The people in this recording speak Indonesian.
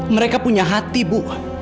mereka punya hati bu